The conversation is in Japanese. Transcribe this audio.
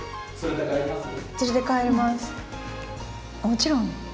もちろん。